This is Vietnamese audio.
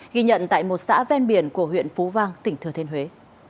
ghi nhận tại một xã ven biển của huyện phú vang tỉnh thừa thiên huế